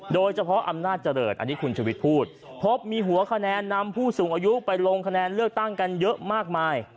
โดยเฉพาะอำนาจเจริญอันนี้คุณชวิตพูดพบมีหัวคะแนนนำผู้สูงอายุไปลงคะแนนเลือกตั้งกันเยอะมากมาย